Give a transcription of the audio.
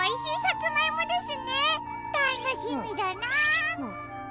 たっのしみだな。